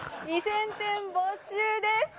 ２０００点没収です。